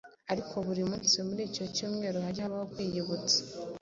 ariko buri munsi muri icyo cyumweru hajye habaho kwiyibutsa